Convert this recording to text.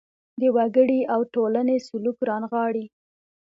د وګړي او ټولنې سلوک رانغاړي.